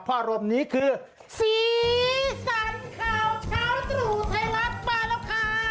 พ่อรมนี้คือศรีสันข่าวเช้าตรูไทยลักษณ์มาแล้วค่ะ